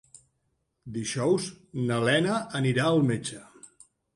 Dijous na Lena anirà al metge.